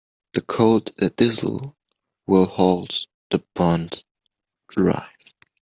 The cold drizzle will halt the bond drive.